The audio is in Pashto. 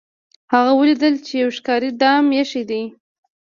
هغه ولیدل چې یو ښکاري دام ایښی دی.